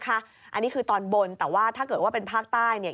อันนี้คือตอนบนแต่ว่าถ้าเกิดว่าเป็นภาคใต้เนี่ย